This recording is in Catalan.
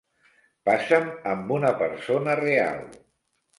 Passa'm amb una persona real.